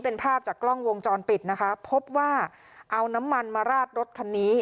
เป็นภาพจากกล้องวงจรปิดนะคะพบว่าเอาน้ำมันมาราดรถคันนี้